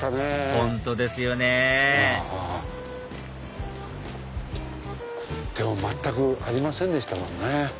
本当ですよね全くありませんでしたもんね